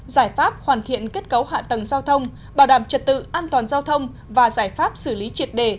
giải pháp hoàn thiện kết cấu hạ tầng giao thông bảo đảm trật tự an toàn giao thông và giải pháp xử lý triệt đề